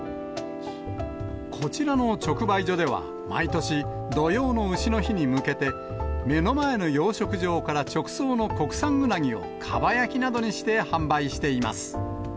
こちらの直売所では毎年、土用のうしの日に向けて、目の前の養殖場から直送の国産うなぎをかば焼きなどにして販売しています。